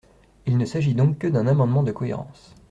Il ne s’agit donc que d’un amendement de cohérence.